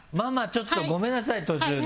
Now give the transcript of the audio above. ちょっとごめんなさい、途中で。